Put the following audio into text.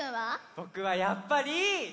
ぼくはやっぱり。